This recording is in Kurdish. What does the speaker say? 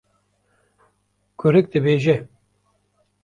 Kurik dibêje: